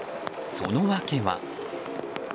その訳は。